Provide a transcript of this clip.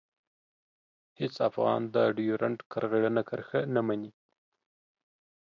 هېڅ افغان د ډیورنډ کرغېړنه کرښه نه مني.